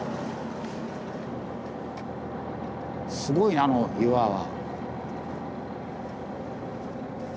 すごいねあの岩は。